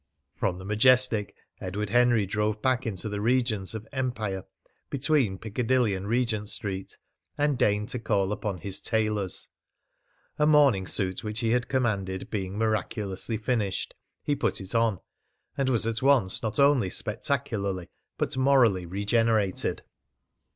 From the Majestic, Edward Henry drove back into the regions of Empire, between Piccadilly and Regent Street, and deigned to call upon his tailors. A morning suit which he had commanded being miraculously finished, he put it on, and was at once not only spectacularly but morally regenerated.